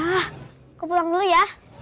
aku pulang dulu ya